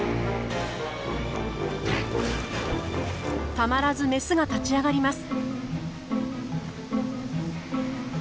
たまらずメスが立ち上がります。